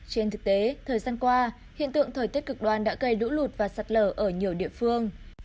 trên thực tế thời gian qua hiện tượng thời tiết cực đoan đã gây lũ lụt và sạt lở ở nhiều địa phương